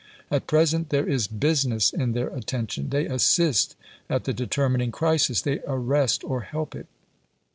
At present there is BUSINESS in their attention. They assist at the determining crisis; they arrest or help it.